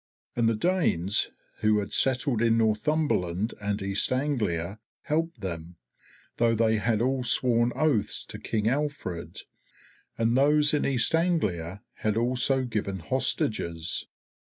And the Danes who had settled in Northumberland and East Anglia helped them, though they had all sworn oaths to King Alfred, and those in East Anglia had also given hostages.